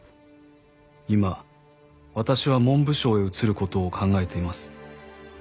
「今私は文部省へ移ることを考えています」